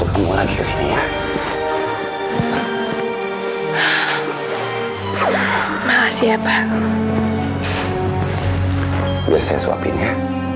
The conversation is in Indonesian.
biar saya suapin ya